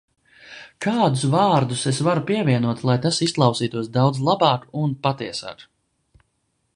Kādus vārdus es varu pievienot, lai tas izklausītos daudz labāk un patiesāk?